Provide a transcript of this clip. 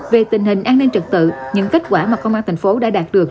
về tình hình an ninh trật tự những kết quả mà công an tp cn đã đạt được